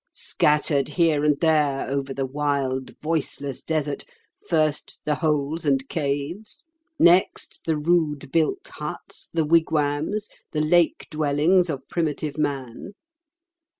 Scattered here and there over the wild, voiceless desert, first the holes and caves, next the rude built huts, the wigwams, the lake dwellings of primitive man.